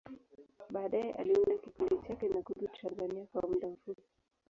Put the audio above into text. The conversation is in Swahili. Baadaye, aliunda kikundi chake na kurudi Tanzania kwa muda mfupi.